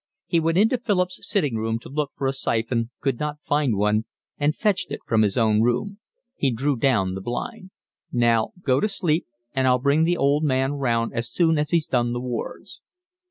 He went into Philip's sitting room to look for a siphon, could not find one, and fetched it from his own room. He drew down the blind. "Now, go to sleep and I'll bring the old man round as soon as he's done the wards."